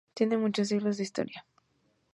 Tiene muchos siglos de historia.